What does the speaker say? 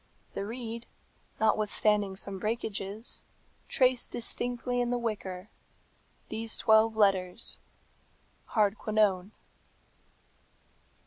The reed, notwithstanding some breakages, traced distinctly in the wicker work these twelve letters Hardquanonne.